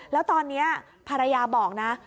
แล้วตอนนี้ภรรยาบอกนะ